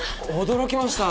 驚きました。